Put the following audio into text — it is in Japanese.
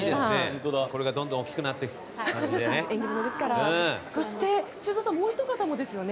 これがどんどん大きくなっていく感じでね。